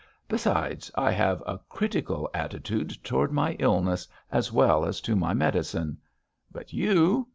Besides, I have a critical attitude toward my illness, as well as to my medicine. But you